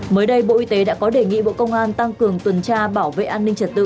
mới đây bộ y tế đã có đề nghị bộ công an tăng cường tuần tra bảo vệ an ninh trật tự